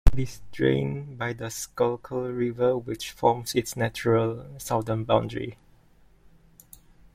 It is drained by the Schuylkill River which forms its natural southern boundary.